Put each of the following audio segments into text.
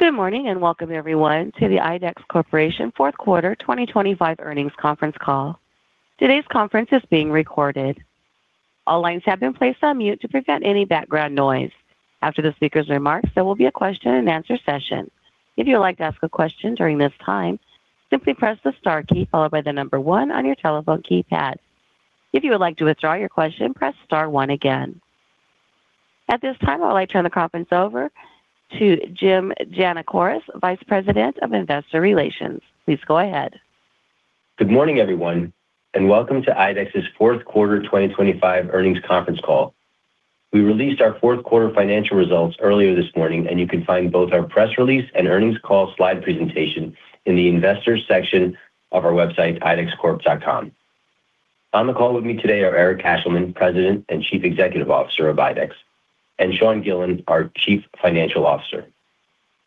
Good morning and welcome, everyone, to the IDEX Corporation Q4 2025 earnings conference call. Today's conference is being recorded. All lines have been placed on mute to prevent any background noise. After the speaker's remarks, there will be a question-and-answer session. If you would like to ask a question during this time, simply press the star key followed by the number one on your telephone keypad. If you would like to withdraw your question, press star one again. At this time, I would like to turn the conference over to Jim Giannakouros, Vice President of Investor Relations. Please go ahead. Good morning, everyone, and welcome to IDEX's Q4 2025 earnings conference call. We released our Q4 financial results earlier this morning, and you can find both our press release and earnings call slide presentation in the Investors section of our website, IDEXCorp.com. On the call with me today are Eric Ashleman, President and Chief Executive Officer of IDEX, and Sean Gillen, our Chief Financial Officer.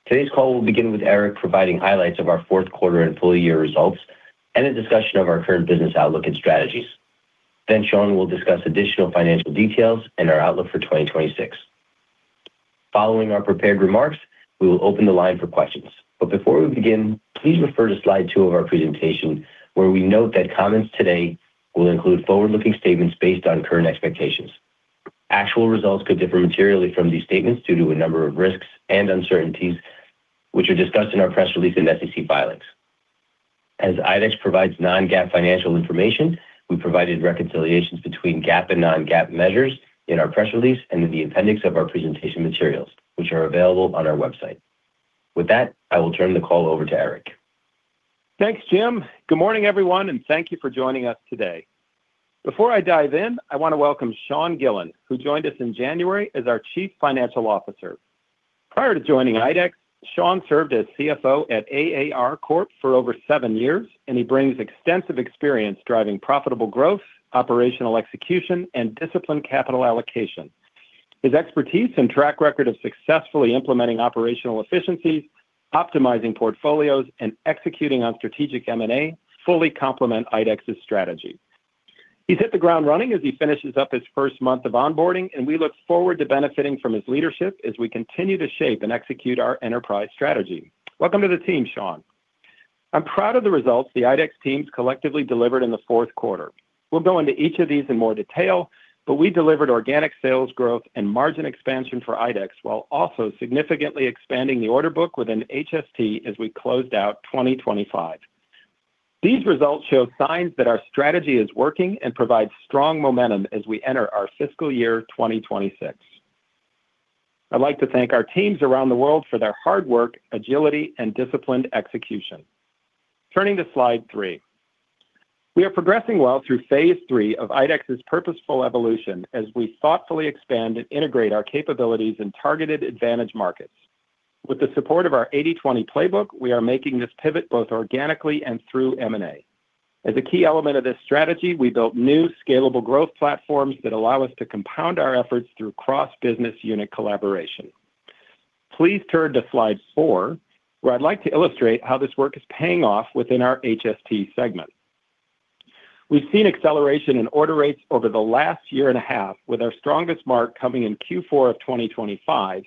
Today's call will begin with Eric providing highlights of our Q4 fiscal year results and a discussion of our current business outlook and strategies. Then Sean will discuss additional financial details and our outlook for 2026. Following our prepared remarks, we will open the line for questions. But before we begin, please refer to slide two of our presentation where we note that comments today will include forward-looking statements based on current expectations. Actual results could differ materially from these statements due to a number of risks and uncertainties which are discussed in our press release and SEC filings. As IDEX provides non-GAAP financial information, we provided reconciliations between GAAP and non-GAAP measures in our press release and in the appendix of our presentation materials, which are available on our website. With that, I will turn the call over to Eric. Thanks, Jim. Good morning, everyone, and thank you for joining us today. Before I dive in, I want to welcome Sean Gillen, who joined us in January as our Chief Financial Officer. Prior to joining IDEX, Sean served as CFO at AAR Corp for over seven years, and he brings extensive experience driving profitable growth, operational execution, and disciplined capital allocation. His expertise and track record of successfully implementing operational efficiencies, optimizing portfolios, and executing on strategic M&A fully complement IDEX's strategy. He's hit the ground running as he finishes up his first month of onboarding, and we look forward to benefiting from his leadership as we continue to shape and execute our enterprise strategy. Welcome to the team, Sean. I'm proud of the results the IDEX team's collectively delivered in the Q4. We'll go into each of these in more detail, but we delivered organic sales growth and margin expansion for IDEX while also significantly expanding the order book within HST as we closed out 2025. These results show signs that our strategy is working and provide strong momentum as we enter our fiscal year 2026. I'd like to thank our teams around the world for their hard work, agility, and disciplined execution. Turning to slide three. We are progressing well through phase three of IDEX's purposeful evolution as we thoughtfully expand and integrate our capabilities in targeted advantage markets. With the support of our 80/20 playbook, we are making this pivot both organically and through M&A. As a key element of this strategy, we built new scalable growth platforms that allow us to compound our efforts through cross-business unit collaboration. Please turn to slide four, where I'd like to illustrate how this work is paying off within our HST segment. We've seen acceleration in order rates over the last year and a half, with our strongest mark coming in Q4 of 2025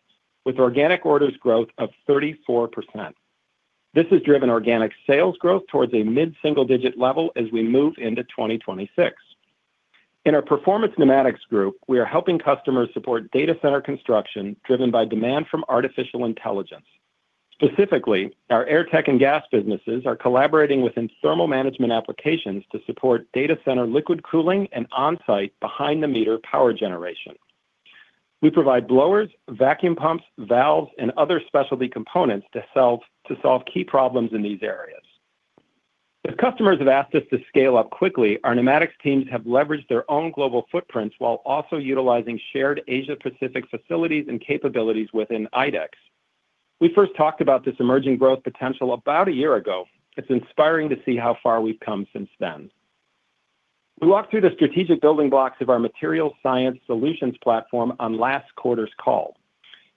with organic orders growth of 34%. This has driven organic sales growth towards a mid-single-digit level as we move into 2026. In our Performance Pneumatics group, we are helping customers support data center construction driven by demand from artificial intelligence. Specifically, our Airtech and Gast businesses are collaborating within thermal management applications to support data center liquid cooling and on-site behind-the-meter power generation. We provide blowers, vacuum pumps, valves, and other specialty components to solve key problems in these areas. As customers have asked us to scale up quickly, our pneumatics teams have leveraged their own global footprints while also utilizing shared Asia-Pacific facilities and capabilities within IDEX. We first talked about this emerging growth potential about a year ago. It's inspiring to see how far we've come since then. We walked through the strategic building blocks of our Material Science Solutions platform on last quarter's call.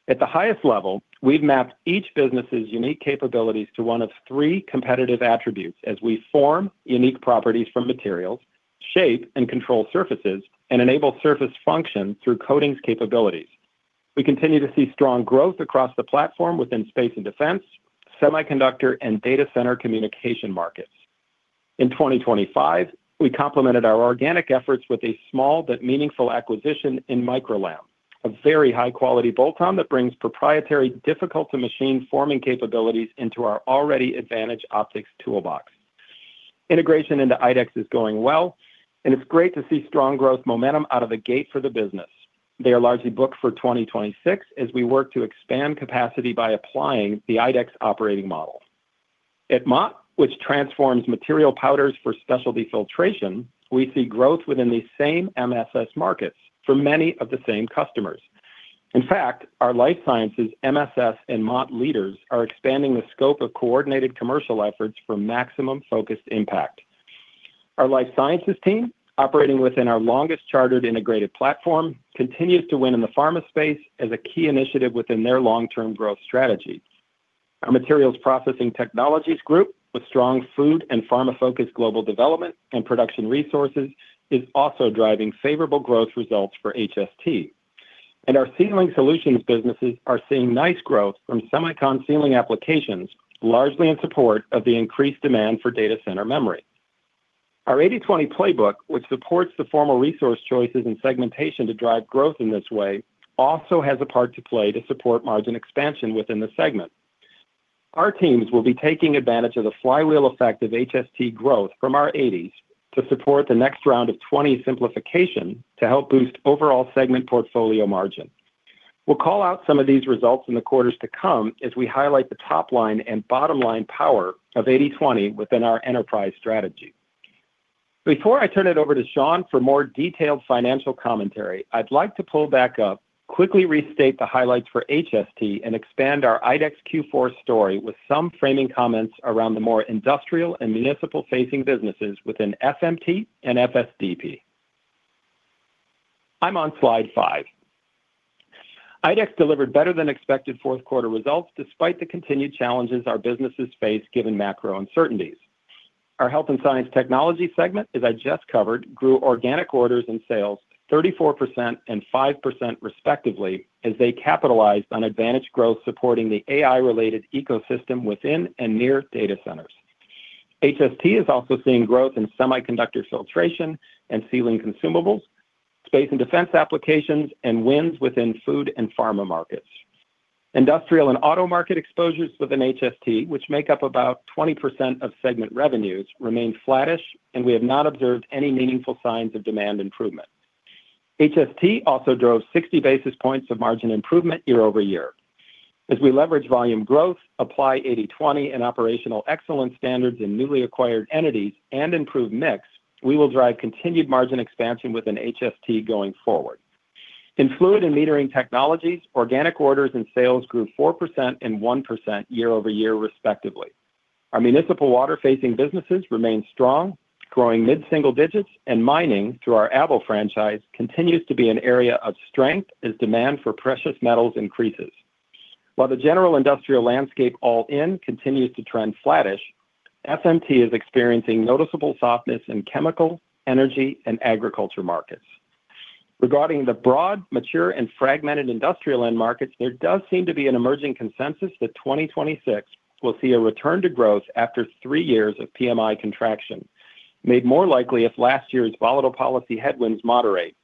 At the highest level, we've mapped each business's unique capabilities to one of three competitive attributes as we form unique properties from materials, shape and control surfaces, and enable surface function through coatings capabilities. We continue to see strong growth across the platform within space and defense, semiconductor, and data center communication markets. In 2025, we complemented our organic efforts with a small but meaningful acquisition in Micro-LAM, a very high-quality bolt-on that brings proprietary, difficult-to-machine forming capabilities into our already advantaged optics toolbox. Integration into IDEX is going well, and it's great to see strong growth momentum out of the gate for the business. They are largely booked for 2026 as we work to expand capacity by applying the IDEX operating model. At Mott, which transforms material powders for specialty filtration, we see growth within the same MSS markets for many of the same customers. In fact, our Life Sciences MPT and Mott leaders are expanding the scope of coordinated commercial efforts for maximum focused impact. Our Life Sciences team, operating within our longest chartered integrated platform, continues to win in the pharma space as a key initiative within their long-term growth strategy. Our Material Processing Technologies group, with strong food and pharma-focused global development and production resources, is also driving favorable growth results for HST. Our Sealing Solutions businesses are seeing nice growth from semiconductor sealing applications, largely in support of the increased demand for data center memory. Our 80/20 playbook, which supports the formal resource choices and segmentation to drive growth in this way, also has a part to play to support margin expansion within the segment. Our teams will be taking advantage of the flywheel effect of HST growth from our 80/20 to support the next round of 20 simplification to help boost overall segment portfolio margin. We'll call out some of these results in the quarters to come as we highlight the top line and bottom line power of 80/20 within our enterprise strategy. Before I turn it over to Sean for more detailed financial commentary, I'd like to pull back up, quickly restate the highlights for HST, and expand our IDEX Q4 story with some framing comments around the more industrial and municipal-facing businesses within FMT and FSDP. I'm on slide five. IDEX delivered better-than-expected Q4 results despite the continued challenges our businesses face given macro uncertainties. Our Health & Science Technologies segment, as I just covered, grew organic orders and sales 34% and 5% respectively as they capitalized on advantaged growth supporting the AI-related ecosystem within and near data centers. HST is also seeing growth in semiconductor filtration and sealing consumables, space and defense applications, and wins within food and pharma markets. Industrial and auto market exposures within HST, which make up about 20% of segment revenues, remain flattish, and we have not observed any meaningful signs of demand improvement. HST also drove 60 basis points of margin improvement year-over-year. As we leverage volume growth, apply 80/20 and operational excellence standards in newly acquired entities, and improve mix, we will drive continued margin expansion within HST going forward. In Fluid & Metering Technologies, organic orders and sales grew 4% and 1% year-over-year respectively. Our municipal water-facing businesses remain strong, growing mid-single digits, and mining through our Abel franchise continues to be an area of strength as demand for precious metals increases. While the general industrial landscape all-in continues to trend flattish, FMT is experiencing noticeable softness in chemical, energy, and agriculture markets. Regarding the broad, mature, and fragmented industrial end markets, there does seem to be an emerging consensus that 2026 will see a return to growth after three years of PMI contraction, made more likely if last year's volatile policy headwinds moderate.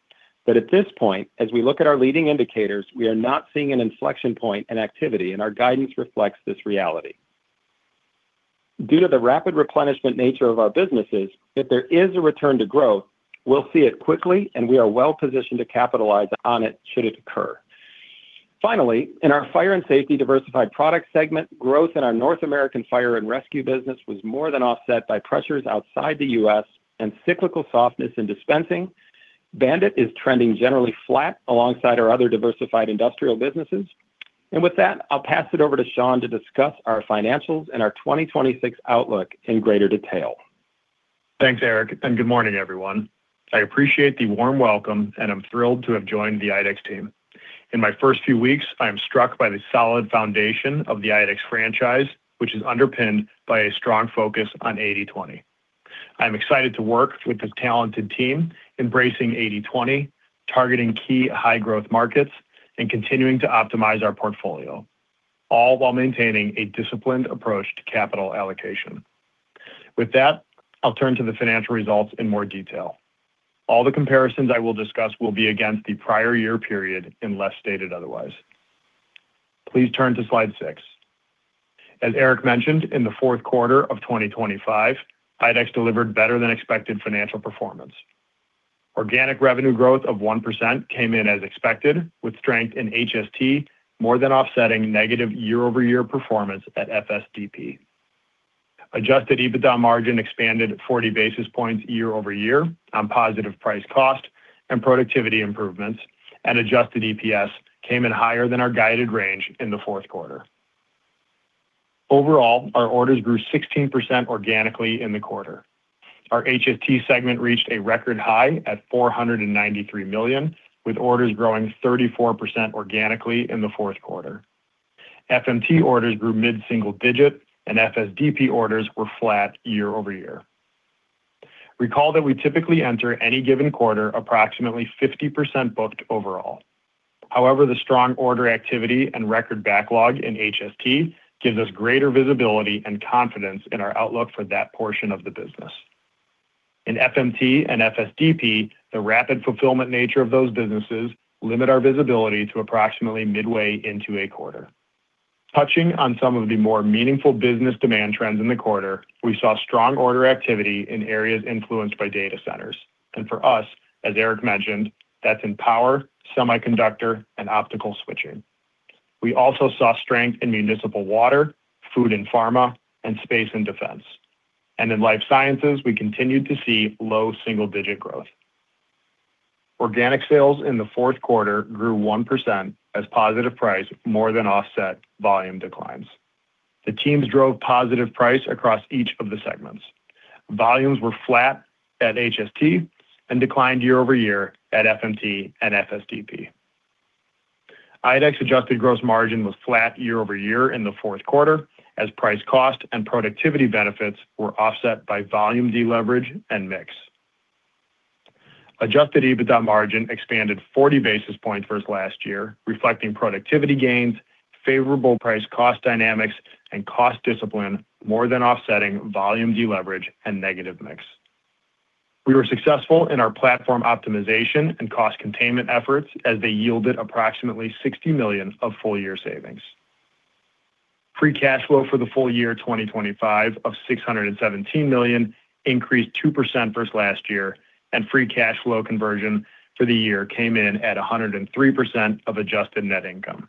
But at this point, as we look at our leading indicators, we are not seeing an inflection point in activity, and our guidance reflects this reality. Due to the rapid replenishment nature of our businesses, if there is a return to growth, we'll see it quickly, and we are well positioned to capitalize on it should it occur. Finally, in our Fire & Safety / Diversified Products segment, growth in our North American fire and rescue business was more than offset by pressures outside the U.S. and cyclical softness in dispensing. BAND-IT is trending generally flat alongside our other diversified industrial businesses. And with that, I'll pass it over to Sean to discuss our financials and our 2026 outlook in greater detail. Thanks, Eric, and good morning, everyone. I appreciate the warm welcome, and I'm thrilled to have joined the IDEX team. In my first few weeks, I am struck by the solid foundation of the IDEX franchise, which is underpinned by a strong focus on 80/20. I am excited to work with this talented team embracing 80/20, targeting key high-growth markets, and continuing to optimize our portfolio, all while maintaining a disciplined approach to capital allocation. With that, I'll turn to the financial results in more detail. All the comparisons I will discuss will be against the prior year period unless stated otherwise. Please turn to slide six. As Eric mentioned, in the Q4 of 2025, IDEX delivered better-than-expected financial performance. Organic revenue growth of 1% came in as expected, with strength in HST more than offsetting negative year-over-year performance at FSDP. Adjusted EBITDA margin expanded 40 basis points year-over-year on positive price cost and productivity improvements, and adjusted EPS came in higher than our guided range in the Q4. Overall, our orders grew 16% organically in the quarter. Our HST segment reached a record high at $493 million, with orders growing 34% organically in the Q4. FMT orders grew mid-single digit, and FSDP orders were flat year-over-year. Recall that we typically enter any given quarter approximately 50% booked overall. However, the strong order activity and record backlog in HST gives us greater visibility and confidence in our outlook for that portion of the business. In FMT and FSDP, the rapid fulfillment nature of those businesses limits our visibility to approximately midway into a quarter. Touching on some of the more meaningful business demand trends in the quarter, we saw strong order activity in areas influenced by data centers. For us, as Eric mentioned, that's in power, semiconductor, and optical switching. We also saw strength in municipal water, food and pharma, and space and defense. In Life Sciences, we continued to see low single-digit growth. Organic sales in the Q4 grew 1% as positive price more than offset volume declines. The teams drove positive price across each of the segments. Volumes were flat at HST and declined year-over-year at FMT and FSDP. IDEX adjusted gross margin was flat year-over-year in the Q4 as price cost and productivity benefits were offset by volume deleverage and mix. Adjusted EBITDA margin expanded 40 basis points versus last year, reflecting productivity gains, favorable price cost dynamics, and cost discipline more than offsetting volume deleverage and negative mix. We were successful in our platform optimization and cost containment efforts as they yielded approximately $60 million of full-year savings. Free cash flow for the full year 2025 of $617 million increased 2% versus last year, and free cash flow conversion for the year came in at 103% of adjusted net income.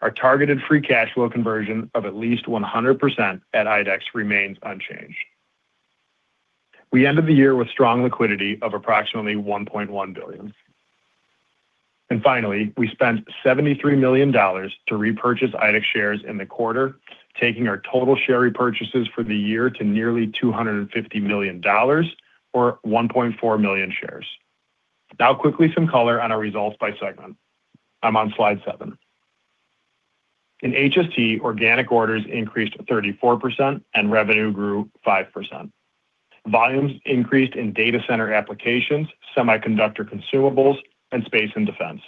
Our targeted free cash flow conversion of at least 100% at IDEX remains unchanged. We ended the year with strong liquidity of approximately $1.1 billion. And finally, we spent $73 million to repurchase IDEX shares in the quarter, taking our total share repurchases for the year to nearly $250 million or 1.4 million shares. Now, quickly some color on our results by segment. I'm on slide seven. In HST, organic orders increased 34% and revenue grew 5%. Volumes increased in data center applications, semiconductor consumables, and space and defense.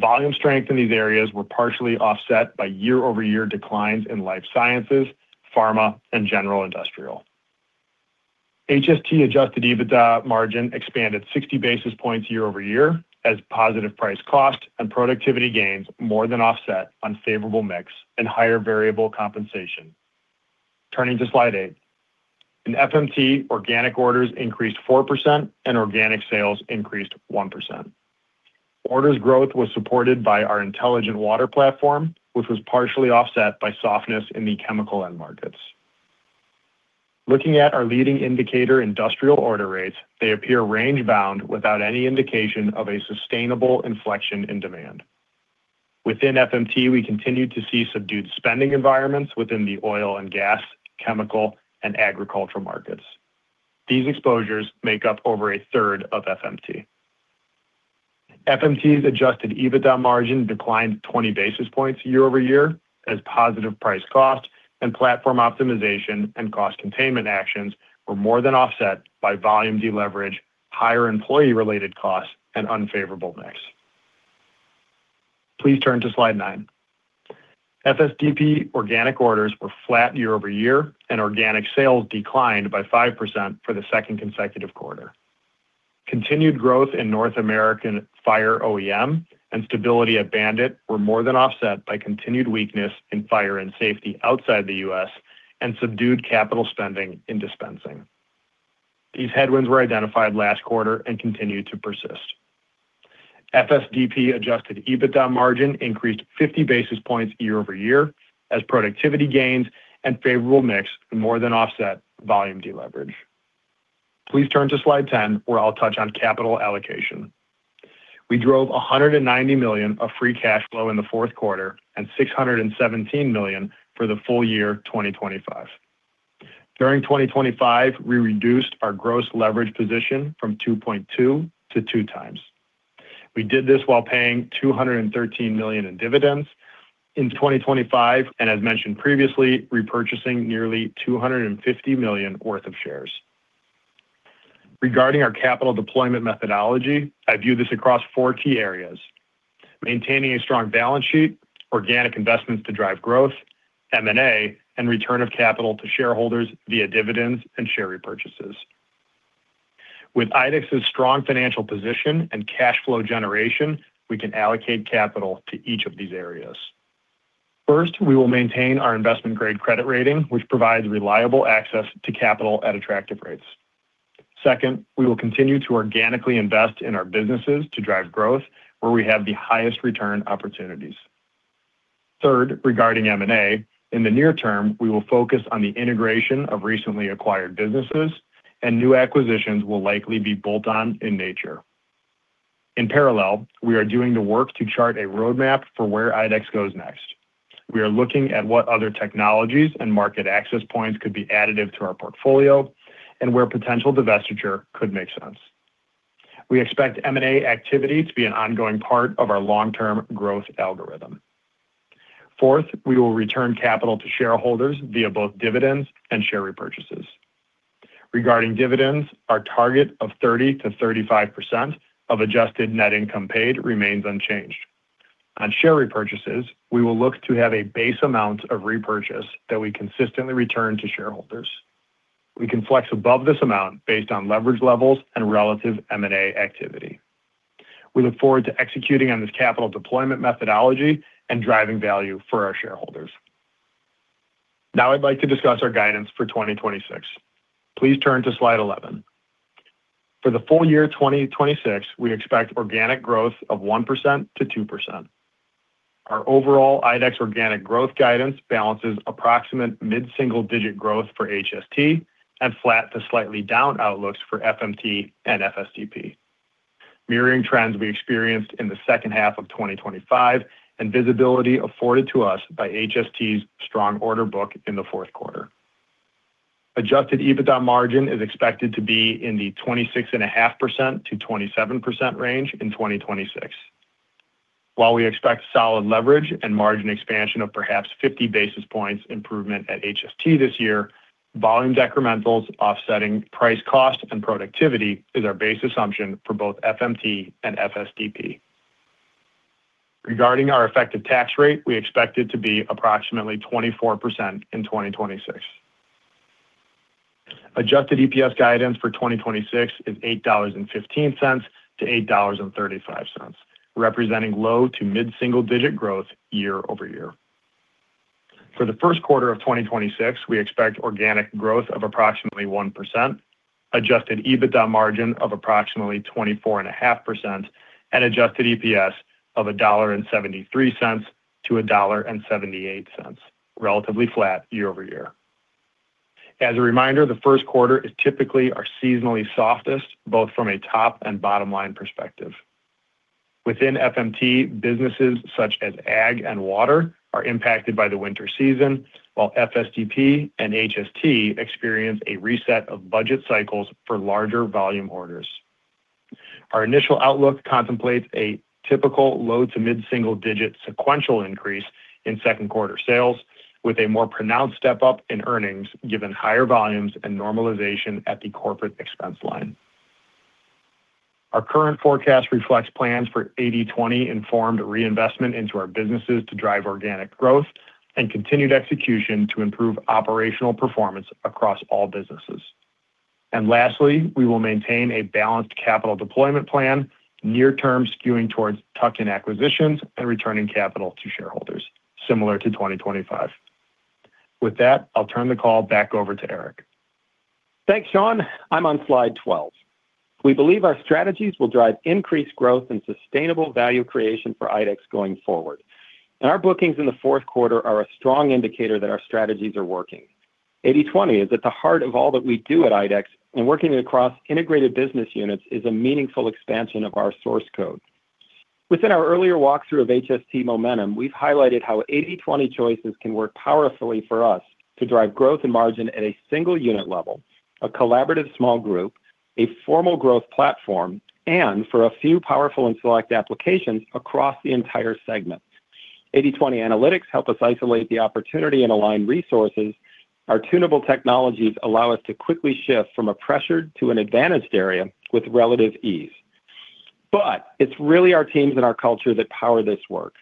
Volume strength in these areas were partially offset by year-over-year declines in Life Sciences, pharma, and general industrial. HST Adjusted EBITDA margin expanded 60 basis points year-over-year as positive price cost and productivity gains more than offset unfavorable mix and higher variable compensation. Turning to Slide eight. In FMT, organic orders increased 4% and organic sales increased 1%. Orders growth was supported by our Intelligent Water platform, which was partially offset by softness in the chemical end markets. Looking at our leading indicator, industrial order rates, they appear range-bound without any indication of a sustainable inflection in demand. Within FMT, we continued to see subdued spending environments within the oil and gas, chemical, and agricultural markets. These exposures make up over a third of FMT. FMT's Adjusted EBITDA margin declined 20 basis points year-over-year as positive price cost and platform optimization and cost containment actions were more than offset by volume deleverage, higher employee-related costs, and unfavorable mix. Please turn to slide nine. FSDP organic orders were flat year-over-year, and organic sales declined by 5% for the second consecutive quarter. Continued growth in North American fire OEM and stability at BAND-IT were more than offset by continued weakness in fire and safety outside the US and subdued capital spending in dispensing. These headwinds were identified last quarter and continue to persist. FSDP Adjusted EBITDA margin increased 50 basis points year-over-year as productivity gains and favorable mix more than offset volume deleverage. Please turn to slide 10, where I'll touch on capital allocation. We drove $190 million of Free Cash Flow in the Q4 and $617 million for the full year 2025. During 2025, we reduced our gross leverage position from 2.2 to 2 times. We did this while paying $213 million in dividends in 2025 and, as mentioned previously, repurchasing nearly $250 million worth of shares. Regarding our capital deployment methodology, I view this across 4 key areas: maintaining a strong balance sheet, organic investments to drive growth, M&A, and return of capital to shareholders via dividends and share repurchases. With IDEX's strong financial position and cash flow generation, we can allocate capital to each of these areas. First, we will maintain our investment-grade credit rating, which provides reliable access to capital at attractive rates. Second, we will continue to organically invest in our businesses to drive growth, where we have the highest return opportunities. Third, regarding M&A, in the near term, we will focus on the integration of recently acquired businesses, and new acquisitions will likely be bolt-on in nature. In parallel, we are doing the work to chart a roadmap for where IDEX goes next. We are looking at what other technologies and market access points could be additive to our portfolio and where potential divestiture could make sense. We expect M&A activity to be an ongoing part of our long-term growth algorithm. Fourth, we will return capital to shareholders via both dividends and share repurchases. Regarding dividends, our target of 30%-35% of adjusted net income paid remains unchanged. On share repurchases, we will look to have a base amount of repurchase that we consistently return to shareholders. We can flex above this amount based on leverage levels and relative M&A activity. We look forward to executing on this capital deployment methodology and driving value for our shareholders. Now, I'd like to discuss our guidance for 2026. Please turn to slide 11. For the full year 2026, we expect organic growth of 1%-2%. Our overall IDEX organic growth guidance balances approximate mid-single digit growth for HST and flat to slightly down outlooks for FMT and FSDP, mirroring trends we experienced in the second half of 2025 and visibility afforded to us by HST's strong order book in the Q4. Adjusted EBITDA margin is expected to be in the 26.5%-27% range in 2026. While we expect solid leverage and margin expansion of perhaps 50 basis points improvement at HST this year, volume decrementals offsetting price cost and productivity is our base assumption for both FMT and FSDP. Regarding our effective tax rate, we expect it to be approximately 24% in 2026. Adjusted EPS guidance for 2026 is $8.15-$8.35, representing low to mid-single digit growth year-over-year. For the Q1 of 2026, we expect organic growth of approximately 1%, Adjusted EBITDA margin of approximately 24.5%, and adjusted EPS of $1.73-$1.78, relatively flat year-over-year. As a reminder, the Q1 is typically our seasonally softest, both from a top and bottom line perspective. Within FMT, businesses such as Ag and water are impacted by the winter season, while FSDP and HST experience a reset of budget cycles for larger volume orders. Our initial outlook contemplates a typical low to mid-single digit sequential increase in Q2 sales with a more pronounced step up in earnings given higher volumes and normalization at the corporate expense line. Our current forecast reflects plans for 80/20 informed reinvestment into our businesses to drive organic growth and continued execution to improve operational performance across all businesses. Lastly, we will maintain a balanced capital deployment plan, near-term skewing towards tuck-in acquisitions and returning capital to shareholders, similar to 2025. With that, I'll turn the call back over to Eric. Thanks, Sean. I'm on slide 12. We believe our strategies will drive increased growth and sustainable value creation for IDEX going forward. Our bookings in the Q4 are a strong indicator that our strategies are working. 80/20 is at the heart of all that we do at IDEX, and working across integrated business units is a meaningful expansion of our source code. Within our earlier walkthrough of HST momentum, we've highlighted how 80/20 choices can work powerfully for us to drive growth and margin at a single unit level, a collaborative small group, a formal growth platform, and for a few powerful and select applications across the entire segment. 80/20 analytics help us isolate the opportunity and align resources. Our tunable technologies allow us to quickly shift from a pressured to an advantaged area with relative ease. But it's really our teams and our culture that power this work.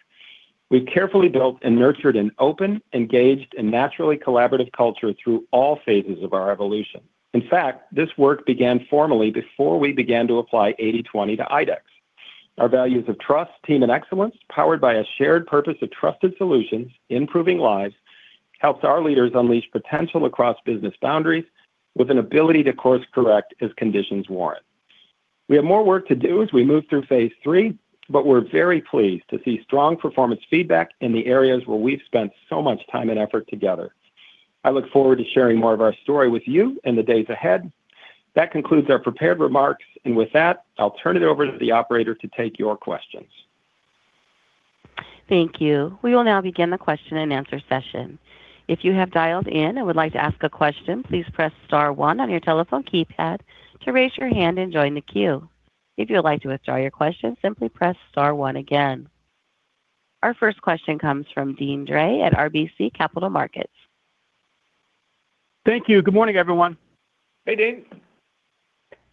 We've carefully built and nurtured an open, engaged, and naturally collaborative culture through all phases of our evolution. In fact, this work began formally before we began to apply 80/20 to IDEX. Our values of trust, team, and excellence, powered by a shared purpose of trusted solutions, improving lives, helped our leaders unleash potential across business boundaries with an ability to course-correct as conditions warrant. We have more work to do as we move through phase three, but we're very pleased to see strong performance feedback in the areas where we've spent so much time and effort together. I look forward to sharing more of our story with you in the days ahead. That concludes our prepared remarks. And with that, I'll turn it over to the operator to take your questions. Thank you. We will now begin the question-and-answer session. If you have dialed in and would like to ask a question, please press star one on your telephone keypad to raise your hand and join the queue. If you would like to withdraw your question, simply press star one again. Our first question comes from Deane Dray at RBC Capital Markets. Thank you. Good morning, everyone. Hey, Dean.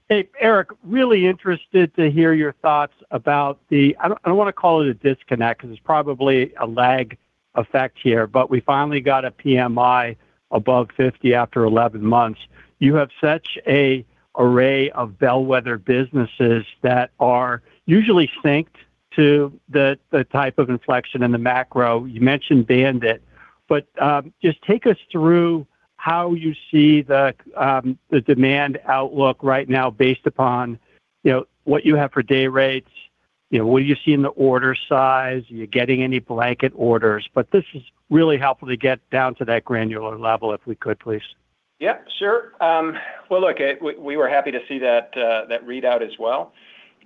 Hey, Eric. Really interested to hear your thoughts about the—I don't want to call it a disconnect because it's probably a lag effect here, but we finally got a PMI above 50 after 11 months. You have such an array of bellwether businesses that are usually synced to the type of inflection in the macro. You mentioned BAND-IT. But just take us through how you see the demand outlook right now based upon what you have for day rates. What do you see in the order size? Are you getting any blanket orders? But this is really helpful to get down to that granular level, if we could, please. Yep, sure. Well, look, we were happy to see that readout as well.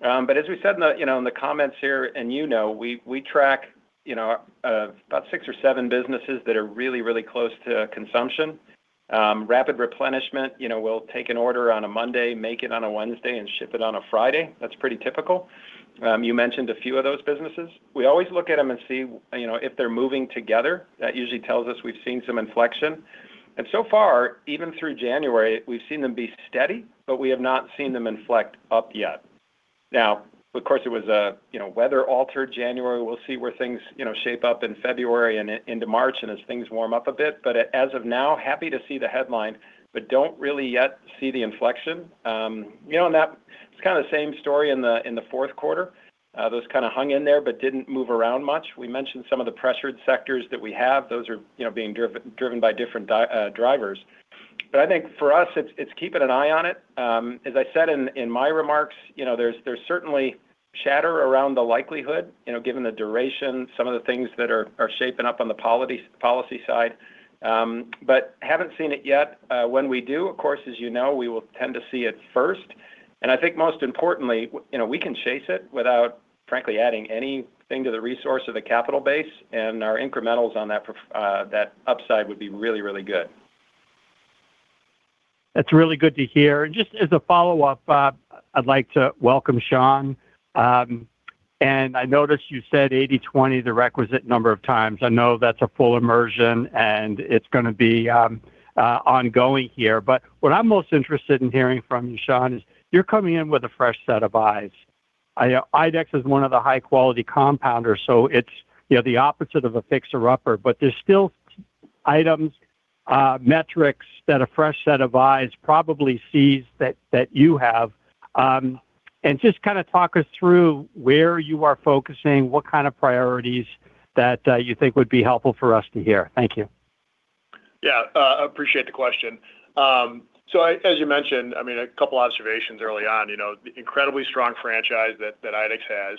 But as we said in the comments here and you know, we track about 6 or 7 businesses that are really, really close to consumption. Rapid replenishment, we'll take an order on a Monday, make it on a Wednesday, and ship it on a Friday. That's pretty typical. You mentioned a few of those businesses. We always look at them and see if they're moving together. That usually tells us we've seen some inflection. And so far, even through January, we've seen them be steady, but we have not seen them inflect up yet. Now, of course, it was a weather-altered January. We'll see where things shape up in February and into March and as things warm up a bit. But as of now, happy to see the headline, but don't really yet see the inflection. It's kind of the same story in the Q4. Those kind hung in there but didn't move around much. We mentioned some of the pressured sectors that we have. Those are being driven by different drivers. I think for us, it's keeping an eye on it. As I said in my remarks, there's certainly chatter around the likelihood, given the duration, some of the things that are shaping up on the policy side. Haven't seen it yet. When we do, of course, as you know, we will tend to see it first. I think most importantly, we can chase it without, frankly, adding anything to the resource or the capital base, and our incrementals on that upside would be really, really good. That's really good to hear. And just as a follow-up, I'd like to welcome Sean. And I noticed you said 80/20 the requisite number of times. I know that's a full immersion, and it's going to be ongoing here. But what I'm most interested in hearing from you, Sean, is you're coming in with a fresh set of eyes. IDEX is one of the high-quality compounders, so it's the opposite of a fixer-upper. But there's still items, metrics that a fresh set of eyes probably sees that you have. And just kind of talk us through where you are focusing, what kind of priorities that you think would be helpful for us to hear. Thank you. Yeah. Appreciate the question. So as you mentioned, I mean, a couple of observations early on. The incredibly strong franchise that IDEX has,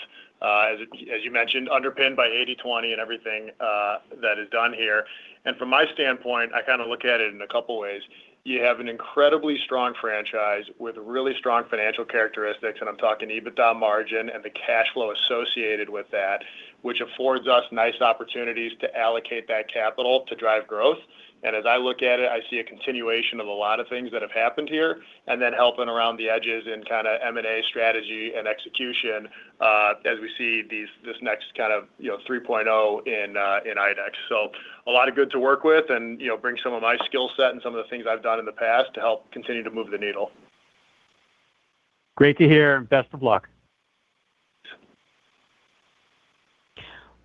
as you mentioned, underpinned by 80/20 and everything that is done here. And from my standpoint, I kind of look at it in a couple of ways. You have an incredibly strong franchise with really strong financial characteristics, and I'm talking EBITDA margin and the cash flow associated with that, which affords us nice opportunities to allocate that capital to drive growth. And as I look at it, I see a continuation of a lot of things that have happened here and then helping around the edges in kind of M&A strategy and execution as we see this next kind of 3.0 in IDEX. So a lot of good to work with and bring some of my skill set and some of the things I've done in the past to help continue to move the needle. Great to hear. Best of luck.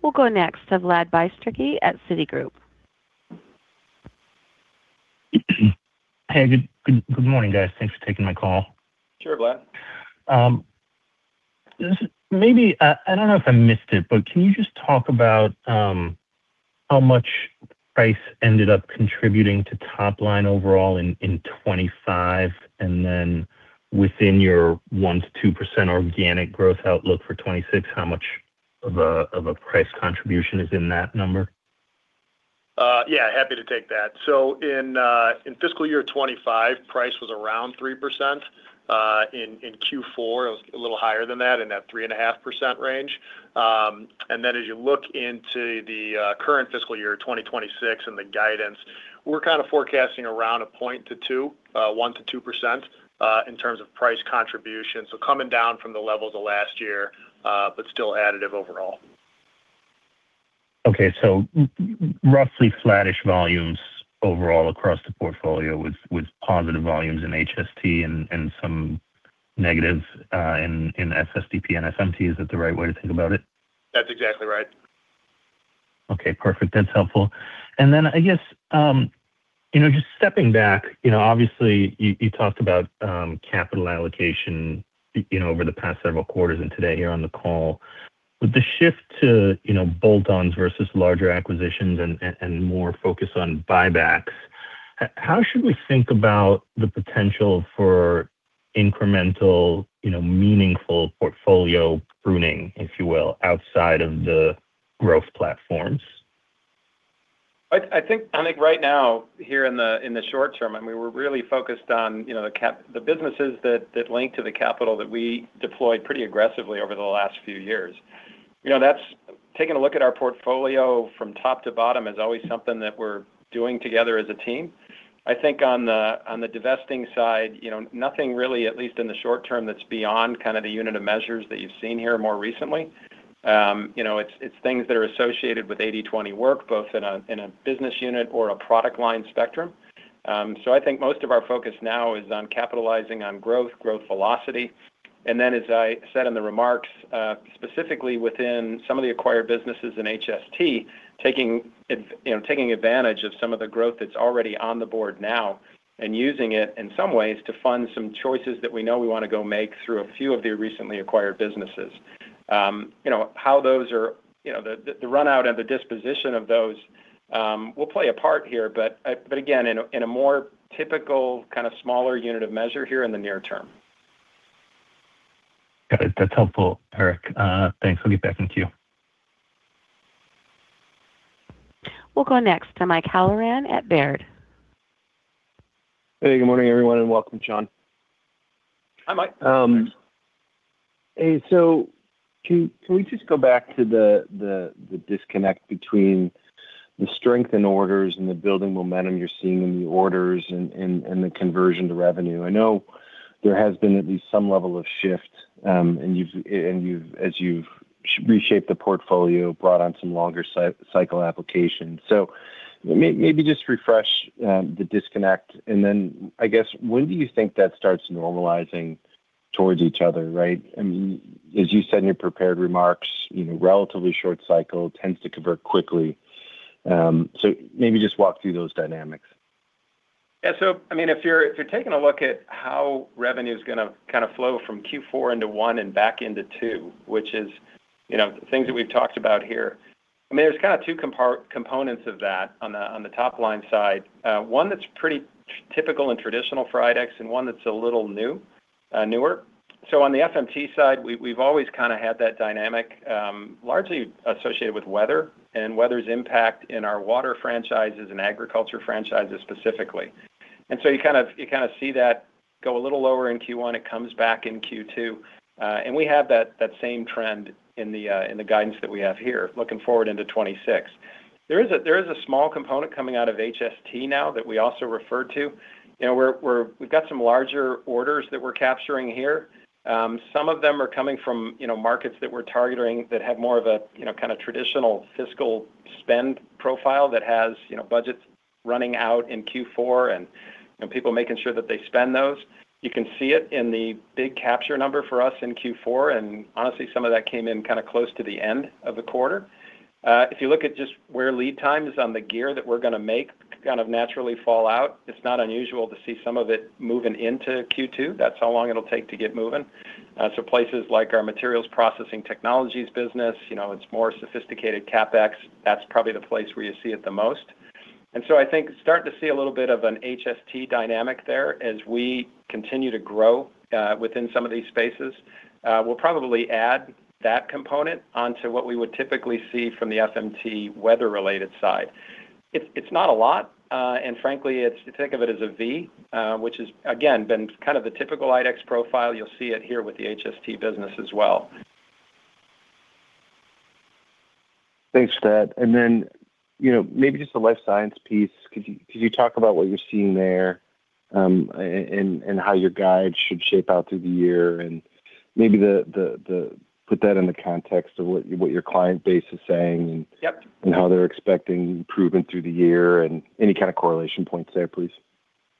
We'll go next to Vlad Bystricky at Citigroup. Hey, good morning, guys. Thanks for taking my call. Sure, Vlad. I don't know if I missed it, but can you just talk about how much price ended up contributing to top line overall in 2025? And then within your 1%-2% organic growth outlook for 2026, how much of a price contribution is in that number? Yeah, happy to take that. So in fiscal year 2025, price was around 3%. In Q4, it was a little higher than that, in that 3.5% range. And then as you look into the current fiscal year, 2026, and the guidance, we're kind of forecasting around 0.0 to 0.2, 1%-2% in terms of price contribution. So coming down from the levels of last year, but still additive overall. Okay. So roughly flat-ish volumes overall across the portfolio with positive volumes in HST and some negative in FSDP and FMT. Is that the right way to think about it? That's exactly right. Okay. Perfect. That's helpful. Then I guess just stepping back, obviously, you talked about capital allocation over the past several quarters and today here on the call. With the shift to bolt-ons versus larger acquisitions and more focus on buybacks, how should we think about the potential for incremental, meaningful portfolio pruning, if you will, outside of the growth platforms? I think right now, here in the short term, I mean, we're really focused on the businesses that link to the capital that we deployed pretty aggressively over the last few years. Taking a look at our portfolio from top to bottom is always something that we're doing together as a team. I think on the divesting side, nothing really, at least in the short term, that's beyond kind of the unit of measures that you've seen here more recently. It's things that are associated with 80/20 work, both in a business unit or a product line spectrum. So I think most of our focus now is on capitalizing on growth, growth velocity. And then, as I said in the remarks, specifically within some of the acquired businesses in HST, taking advantage of some of the growth that's already on the board now and using it in some ways to fund some choices that we know we want to go make through a few of the recently acquired businesses. How those are the runout and the disposition of those will play a part here, but again, in a more typical kind of smaller unit of measure here in the near term. Got it. That's helpful, Eric. Thanks. I'll get back to you. We'll go next to Mike Halloran at Baird. Hey, good morning, everyone, and welcome, Sean. Hi, Mike. Hey, so can we just go back to the disconnect between the strength in orders and the building momentum you're seeing in the orders and the conversion to revenue? I know there has been at least some level of shift, and as you've reshaped the portfolio, brought on some longer-cycle applications. So maybe just refresh the disconnect. And then I guess when do you think that starts normalizing towards each other, right? I mean, as you said in your prepared remarks, relatively short cycle tends to convert quickly. So maybe just walk through those dynamics. Yeah. So I mean, if you're taking a look at how revenue is going to kind of flow from Q4 into Q1 and back into Q2, which is things that we've talked about here, I mean, there's kind of two components of that on the top line side. One that's pretty typical and traditional for IDEX and one that's a little newer. So on the FMT side, we've always kind of had that dynamic largely associated with weather and weather's impact in our water franchises and agriculture franchises specifically. And so you kind of see that go a little lower in Q1. It comes back in Q2. And we have that same trend in the guidance that we have here, looking forward into 2026. There is a small component coming out of HST now that we also referred to. We've got some larger orders that we're capturing here. Some of them are coming from markets that we're targeting that have more of a kind of traditional fiscal spend profile that has budgets running out in Q4 and people making sure that they spend those. You can see it in the big capture number for us in Q4. And honestly, some of that came in kind of close to the end of the quarter. If you look at just where lead times on the gear that we're going to make kind of naturally fall out, it's not unusual to see some of it moving into Q2. That's how long it'll take to get moving. So places like our Material Processing Technologies business, it's more sophisticated CapEx. That's probably the place where you see it the most. And so I think starting to see a little bit of an HST dynamic there as we continue to grow within some of these spaces, we'll probably add that component onto what we would typically see from the FMT weather-related side. It's not a lot. And frankly, think of it as a V, which has, again, been kind of the typical IDEX profile. You'll see it here with the HST business as well. Thanks, Eric. And then maybe just a Life Sciences piece. Could you talk about what you're seeing there and how your guide should shape out through the year? And maybe put that in the context of what your client base is saying and how they're expecting improvement through the year and any kind of correlation points there, please.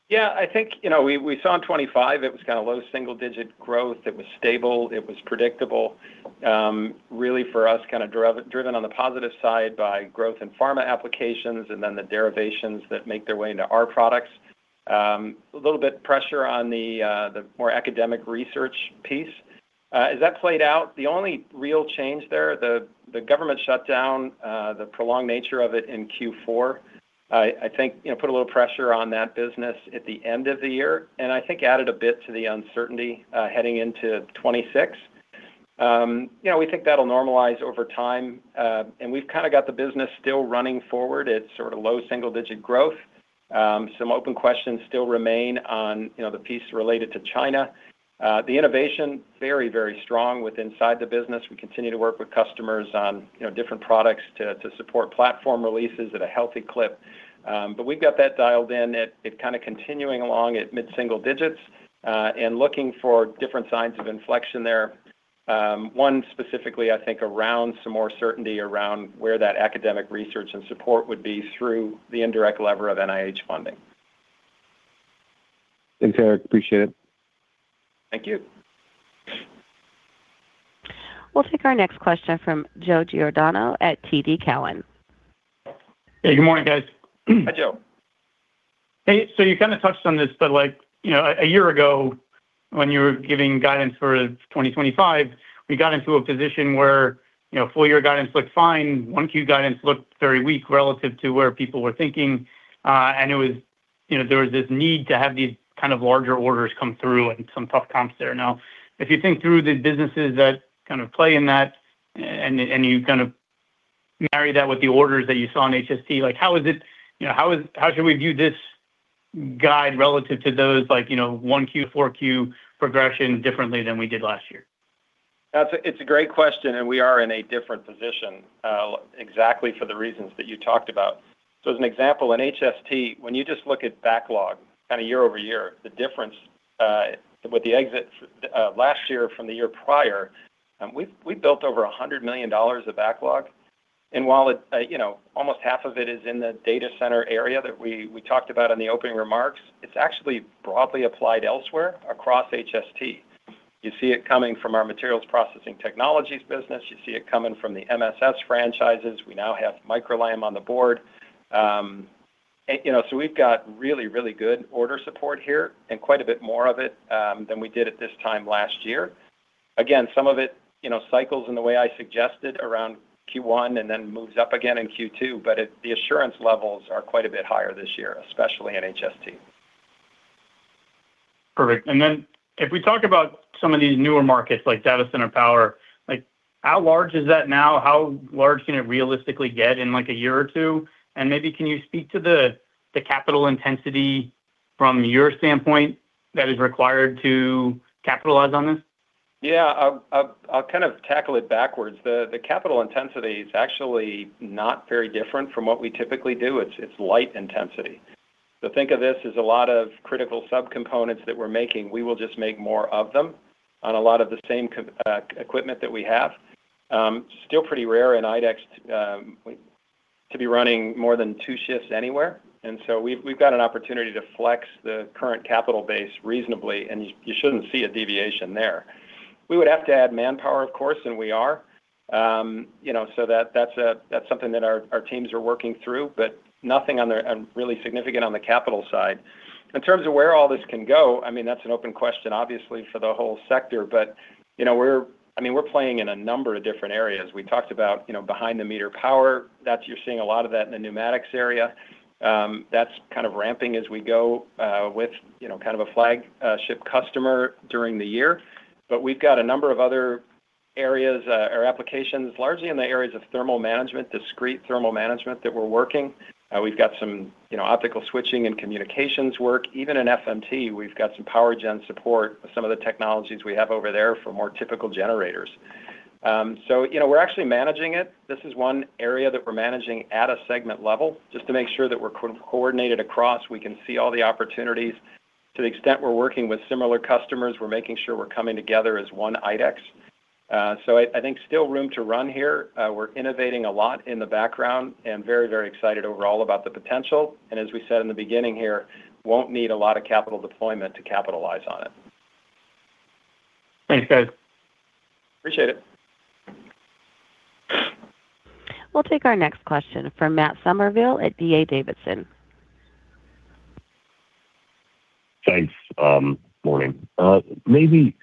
Yeah. I think we saw in 2025, it was kind of low single-digit growth. It was stable. It was predictable. Really for us, kind of driven on the positive side by growth in pharma applications and then the derivations that make their way into our products. A little bit pressure on the more academic research piece. As that played out, the only real change there, the government shutdown, the prolonged nature of it in Q4, I think put a little pressure on that business at the end of the year and I think added a bit to the uncertainty heading into 2026. We think that'll normalize over time. And we've kind of got the business still running forward. It's sort of low single-digit growth. Some open questions still remain on the piece related to China. The innovation, very, very strong with inside the business. We continue to work with customers on different products to support platform releases at a healthy clip. But we've got that dialed in. It's kind of continuing along at mid-single digits and looking for different signs of inflection there. One specifically, I think, around some more certainty around where that academic research and support would be through the indirect lever of NIH funding. Thanks, Eric. Appreciate it. Thank you. We'll take our next question from Joe Giordano at TD Cowen. Hey, good morning, guys. Hi, Joe. Hey, so you kind of touched on this, but a year ago, when you were giving guidance for 2025, we got into a position where full-year guidance looked fine. 1Q guidance looked very weak relative to where people were thinking. And there was this need to have these kind of larger orders come through and some tough comps there. Now, if you think through the businesses that kind of play in that and you kind of marry that with the orders that you saw in HST, how is it how should we view this guide relative to those 1Q to 4Q progression differently than we did last year? It's a great question, and we are in a different position exactly for the reasons that you talked about. So as an example, in HST, when you just look at backlog kind of year-over-year, the difference with the exit last year from the year prior, we built over $100 million of backlog. And while almost half of it is in the data center area that we talked about in the opening remarks, it's actually broadly applied elsewhere across HST. You see it coming from our Material Processing Technologies business. You see it coming from the MSS franchises. We now have Micro-LAM on the board. So we've got really, really good order support here and quite a bit more of it than we did at this time last year. Again, some of it cycles in the way I suggested around Q1 and then moves up again in Q2. But the assurance levels are quite a bit higher this year, especially in HST. Perfect. And then if we talk about some of these newer markets like data center power, how large is that now? How large can it realistically get in a year or two? And maybe can you speak to the capital intensity from your standpoint that is required to capitalize on this? Yeah. I'll kind of tackle it backwards. The capital intensity is actually not very different from what we typically do. It's light intensity. So think of this as a lot of critical subcomponents that we're making. We will just make more of them on a lot of the same equipment that we have. Still pretty rare in IDEX to be running more than two shifts anywhere. And so we've got an opportunity to flex the current capital base reasonably, and you shouldn't see a deviation there. We would have to add manpower, of course, and we are. So that's something that our teams are working through, but nothing really significant on the capital side. In terms of where all this can go, I mean, that's an open question, obviously, for the whole sector. But I mean, we're playing in a number of different areas. We talked about behind-the-meter power. You're seeing a lot of that in the pneumatics area. That's kind of ramping as we go with kind of a flagship customer during the year. But we've got a number of other areas or applications, largely in the areas of discrete thermal management that we're working. We've got some optical switching and communications work. Even in FMT, we've got some PowerGen support, some of the technologies we have over there for more typical generators. So we're actually managing it. This is one area that we're managing at a segment level just to make sure that we're coordinated across. We can see all the opportunities. To the extent we're working with similar customers, we're making sure we're coming together as one IDEX. So I think still room to run here. We're innovating a lot in the background and very, very excited overall about the potential. As we said in the beginning here, won't need a lot of capital deployment to capitalize on it. Thanks, Thad. Appreciate it. We'll take our next question from Matt Summerville at D.A. Davidson. Thanks. Morning. Maybe,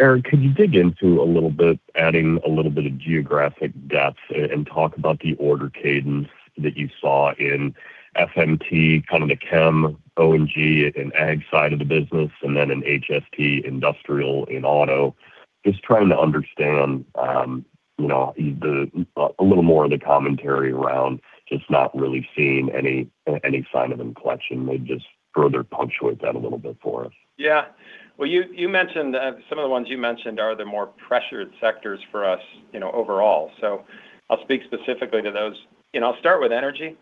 Eric, could you dig into a little bit, adding a little bit of geographic depth, and talk about the order cadence that you saw in FMT, kind of the Chem/O&G and Ag side of the business, and then in HST, industrial and auto? Just trying to understand a little more of the commentary around just not really seeing any sign of inflection. Maybe just further punctuate that a little bit for us. Yeah. Well, some of the ones you mentioned are the more pressured sectors for us overall. So I'll speak specifically to those. I'll start with energy.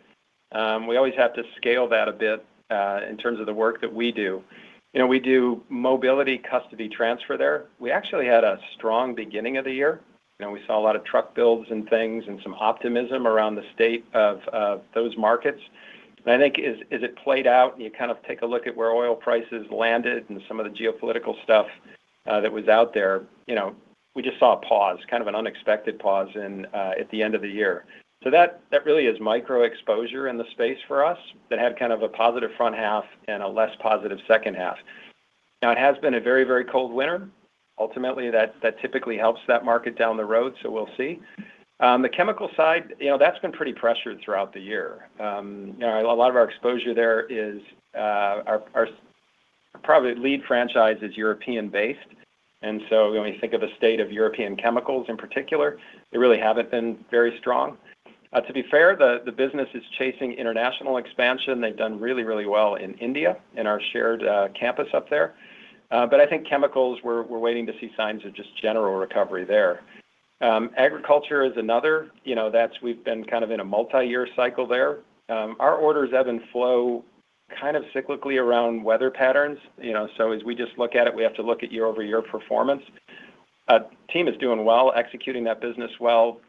We always have to scale that a bit in terms of the work that we do. We do mobility custody transfer there. We actually had a strong beginning of the year. We saw a lot of truck builds and things and some optimism around the state of those markets. And I think as it played out and you kind of take a look at where oil prices landed and some of the geopolitical stuff that was out there, we just saw a pause, kind of an unexpected pause at the end of the year. So that really is micro-exposure in the space for us that had kind of a positive front half and a less positive second half. Now, it has been a very, very cold winter. Ultimately, that typically helps that market down the road, so we'll see. The chemical side, that's been pretty pressured throughout the year. A lot of our exposure there is our probably lead franchise is European-based. And so when we think of a state of European chemicals in particular, they really haven't been very strong. To be fair, the business is chasing international expansion. They've done really, really well in India in our shared campus up there. But I think chemicals, we're waiting to see signs of just general recovery there. Agriculture is another. We've been kind of in a multi-year cycle there. Our orders ebb and flow kind of cyclically around weather patterns. So as we just look at it, we have to look at year-over-year performance. team is doing well, executing that business well,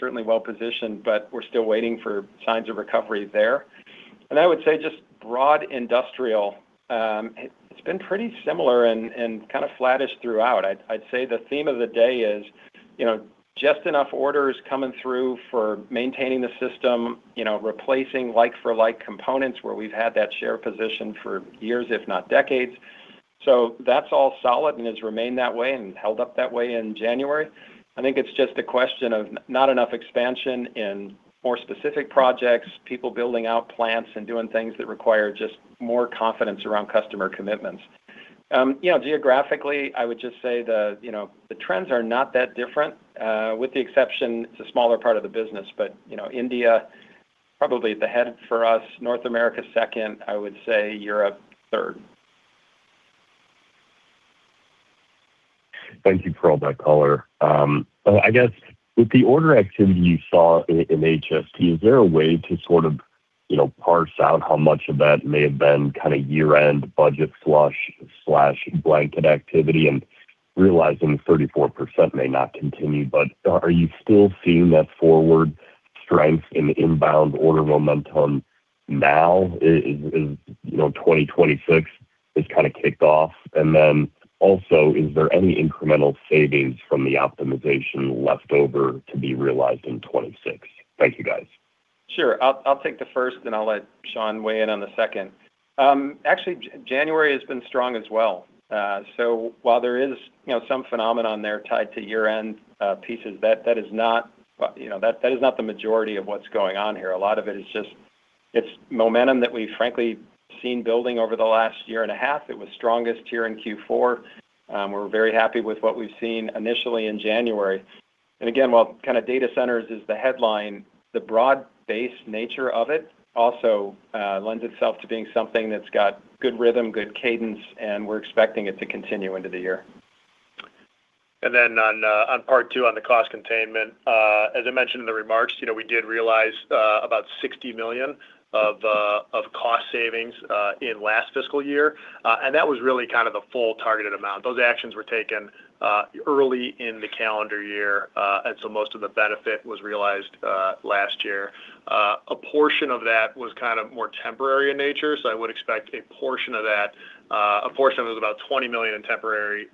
certainly well-positioned, but we're still waiting for signs of recovery there. I would say just broad industrial, it's been pretty similar and kind of flattish throughout. I'd say the theme of the day is just enough orders coming through for maintaining the system, replacing like-for-like components where we've had that share position for years, if not decades. That's all solid and has remained that way and held up that way in January. I think it's just a question of not enough expansion in more specific projects, people building out plants and doing things that require just more confidence around customer commitments. Geographically, I would just say the trends are not that different, with the exception it's a smaller part of the business, but India probably at the head for us, North America second, I would say Europe third. Thank you for all that color. I guess with the order activity you saw in HST, is there a way to sort of parse out how much of that may have been kind of year-end budget slush/blanket activity and realizing 34% may not continue? But are you still seeing that forward strength in inbound order momentum now as 2026 has kind of kicked off? And then also, is there any incremental savings from the optimization left over to be realized in 2026? Thank you, guys. Sure. I'll take the first, and I'll let Sean weigh in on the second. Actually, January has been strong as well. So while there is some phenomenon there tied to year-end pieces, that is not the majority of what's going on here. A lot of it is just it's momentum that we've frankly seen building over the last year and a half. It was strongest here in Q4. We're very happy with what we've seen initially in January. And again, while kind of data centers is the headline, the broad-based nature of it also lends itself to being something that's got good rhythm, good cadence, and we're expecting it to continue into the year. And then on part two, on the cost containment, as I mentioned in the remarks, we did realize about $60 million of cost savings in last fiscal year. And that was really kind of the full targeted amount. Those actions were taken early in the calendar year, and so most of the benefit was realized last year. A portion of that was kind of more temporary in nature. So I would expect a portion of that a portion of it was about $20 million in temporary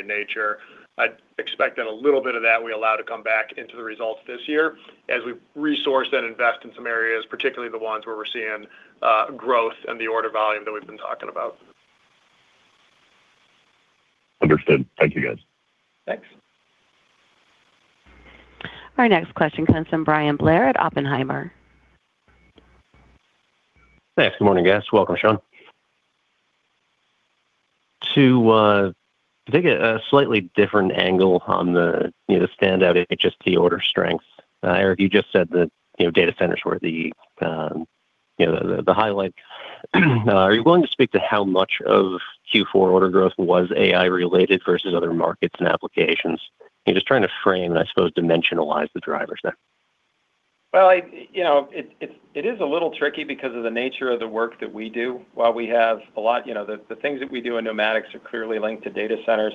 in nature. I'd expect that a little bit of that we allow to come back into the results this year as we resource and invest in some areas, particularly the ones where we're seeing growth and the order volume that we've been talking about. Understood. Thank you, guys. Thanks. Our next question, Bryan Blair at Oppenheimer. Thanks. Good morning, guys. Welcome, Sean. To take a slightly different angle on the standout HST order strengths, Eric, you just said that data centers were the highlight. Are you willing to speak to how much of Q4 order growth was AI-related versus other markets and applications? Just trying to frame and, I suppose, dimensionalize the drivers there. Well, it is a little tricky because of the nature of the work that we do. While we have a lot of the things that we do in pneumatics are clearly linked to data centers.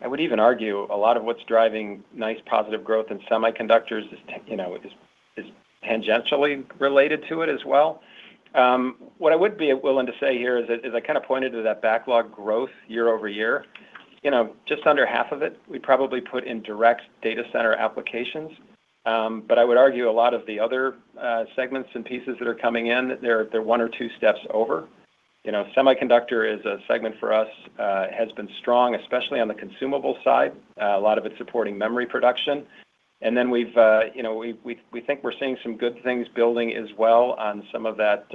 I would even argue a lot of what's driving nice, positive growth in semiconductors is tangentially related to it as well. What I would be willing to say here is I kind of pointed to that backlog growth year-over-year. Just under half of it, we probably put in direct data center applications. But I would argue a lot of the other segments and pieces that are coming in, they're one or two steps over. Semiconductor is a segment for us has been strong, especially on the consumable side. A lot of it's supporting memory production. And then we think we're seeing some good things building as well on some of that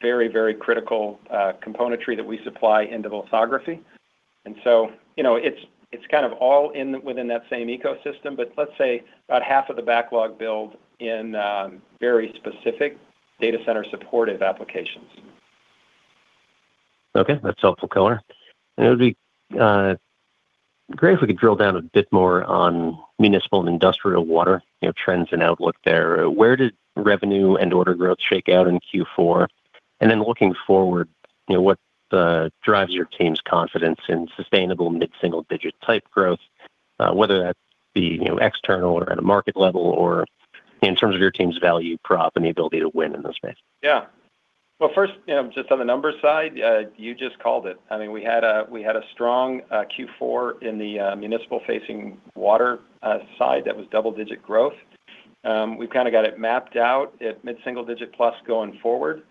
very, very critical componentry that we supply into lithography. And so it's kind of all within that same ecosystem, but let's say about half of the backlog build in very specific data center-supportive applications. Okay. That's helpful color. It would be great if we could drill down a bit more on municipal and industrial water trends and outlook there. Where did revenue and order growth shake out in Q4? Then looking forward, what drives your team's confidence in sustainable mid-single-digit type growth, whether that be external or at a market level or in terms of your team's value prop and the ability to win in the space? Yeah. Well, first, just on the numbers side, you just called it. I mean, we had a strong Q4 in the municipal-facing water side that was double-digit growth. We've kind of got it mapped out at mid-single-digit plus going forward.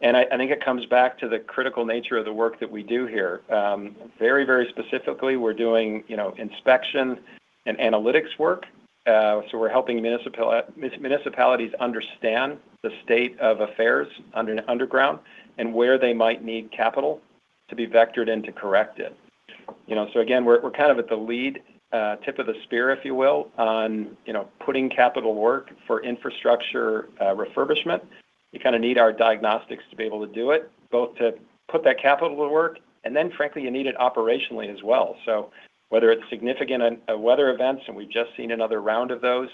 And I think it comes back to the critical nature of the work that we do here. Very, very specifically, we're doing inspection and analytics work. So we're helping municipalities understand the state of affairs underground and where they might need capital to be vectored in to correct it. So again, we're kind of at the lead tip of the spear, if you will, on putting capital work for infrastructure refurbishment. You kind of need our diagnostics to be able to do it, both to put that capital to work, and then, frankly, you need it operationally as well. So whether it's significant weather events, and we've just seen another round of those,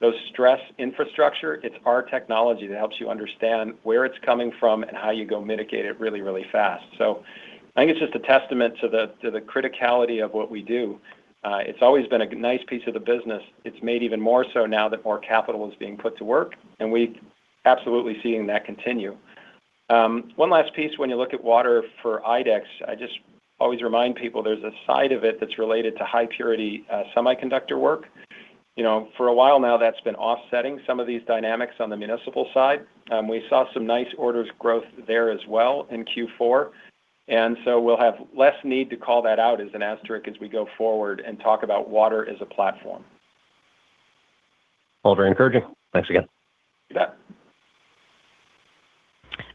those stress infrastructure, it's our technology that helps you understand where it's coming from and how you go mitigate it really, really fast. So I think it's just a testament to the criticality of what we do. It's always been a nice piece of the business. It's made even more so now that more capital is being put to work, and we're absolutely seeing that continue. One last piece, when you look at water for IDEX, I just always remind people there's a side of it that's related to high-purity semiconductor work. For a while now, that's been offsetting some of these dynamics on the municipal side. We saw some nice orders growth there as well in Q4. And so we'll have less need to call that out as an asterisk as we go forward and talk about water as a platform. All very encouraging. Thanks again. You bet.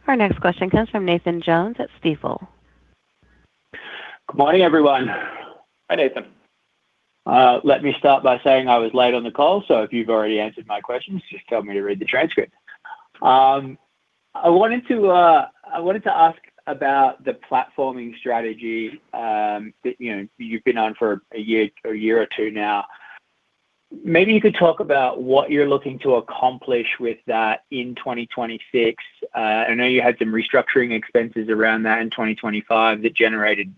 Our next question comes from Nathan Jones at Stifel. Good morning, everyone. Hi, Nathan. Let me start by saying I was late on the call, so if you've already answered my questions, just tell me to read the transcript. I wanted to ask about the platforming strategy that you've been on for a year or two now. Maybe you could talk about what you're looking to accomplish with that in 2026. I know you had some restructuring expenses around that in 2025 that generated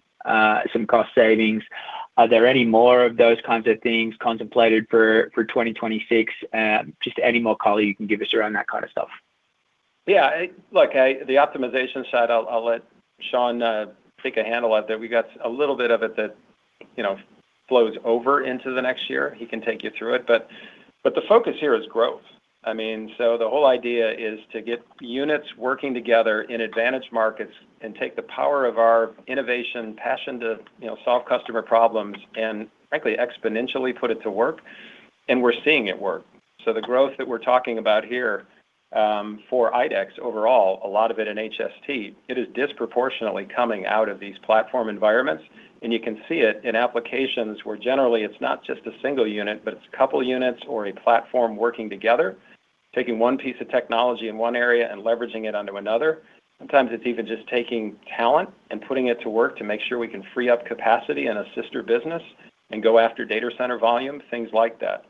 some cost savings. Are there any more of those kinds of things contemplated for 2026? Just any more color you can give us around that kind of stuff. Yeah. Look, the optimization side, I'll let Sean take a handle of it. We've got a little bit of it that flows over into the next year. He can take you through it. But the focus here is growth. I mean, so the whole idea is to get units working together in advantaged markets and take the power of our innovation passion to solve customer problems and, frankly, exponentially put it to work. And we're seeing it work. So the growth that we're talking about here for IDEX overall, a lot of it in HST, it is disproportionately coming out of these platform environments. And you can see it in applications where generally, it's not just a single unit, but it's a couple of units or a platform working together, taking one piece of technology in one area and leveraging it under another. Sometimes it's even just taking talent and putting it to work to make sure we can free up capacity in a sister business and go after data center volume, things like that.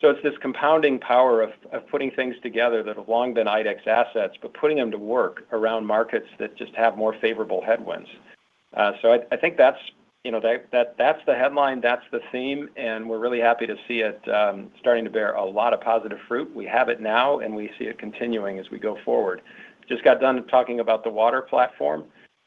So it's this compounding power of putting things together that have long been IDEX assets, but putting them to work around markets that just have more favorable headwinds. So I think that's the headline. That's the theme. And we're really happy to see it starting to bear a lot of positive fruit. We have it now, and we see it continuing as we go forward. Just got done talking about the water platform.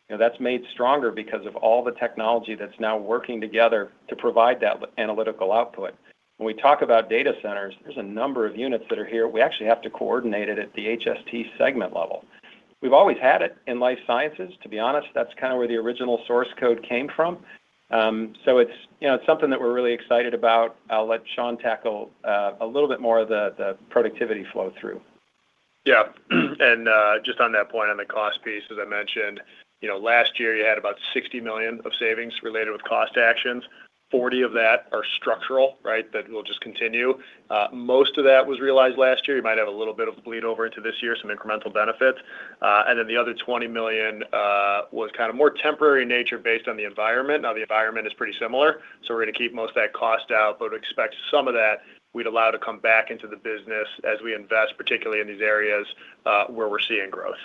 That's made stronger because of all the technology that's now working together to provide that analytical output. When we talk about data centers, there's a number of units that are here. We actually have to coordinate it at the HST segment level. We've always had it in Life Sciences. To be honest, that's kind of where the original source code came from. So it's something that we're really excited about. I'll let Sean tackle a little bit more of the productivity flow through. Yeah. And just on that point, on the cost piece, as I mentioned, last year, you had about $60 million of savings related with cost actions. 40 of that are structural, right, that will just continue. Most of that was realized last year. You might have a little bit of bleed over into this year, some incremental benefits. And then the other $20 million was kind of more temporary in nature based on the environment. Now, the environment is pretty similar. So we're going to keep most of that cost out, but expect some of that we'd allow to come back into the business as we invest, particularly in these areas where we're seeing growth.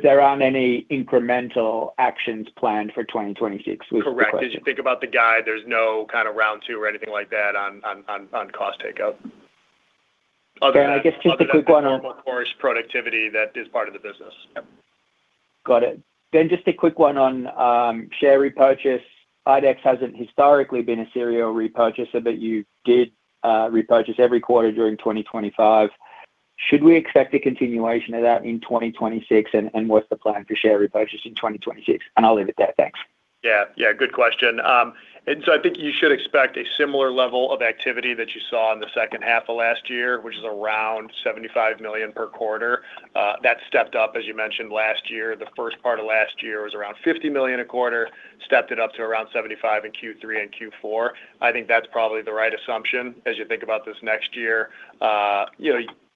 There aren't any incremental actions planned for 2026, with correction? Correct. As you think about the guide, there's no kind of round two or anything like that on cost takeout. I guess just a quick one on. Other than the normal course productivity that is part of the business. Got it. Then just a quick one on share repurchase. IDEX hasn't historically been a serial repurchaser, but you did repurchase every quarter during 2025. Should we expect a continuation of that in 2026, and what's the plan for share repurchase in 2026? And I'll leave it there. Thanks. Yeah. Yeah. Good question. And so I think you should expect a similar level of activity that you saw in the second half of last year, which is around $75 million per quarter. That stepped up, as you mentioned, last year. The first part of last year was around $50 million a quarter, stepped it up to around $75 million in Q3 and Q4. I think that's probably the right assumption as you think about this next year.